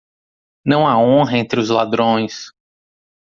Não há honra entre os ladrões.